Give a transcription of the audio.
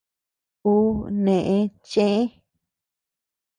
Uu neʼë chëe.